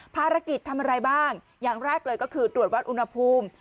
ภารกิจทำอะไรบ้างอย่างแรกเลยก็คือตรวจวัดอุณหภูมิ